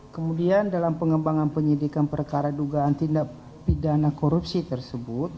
kemudian dalam pengembangan penyidikan perkara dugaan tindak pidana korupsi tersebut